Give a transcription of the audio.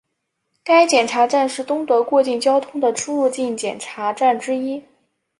该检查站是东德过境交通的出入境检查站之一。